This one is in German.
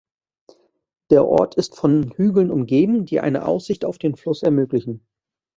Der Ort ist von Hügeln umgeben, die eine Aussicht auf den Fluss ermöglichen.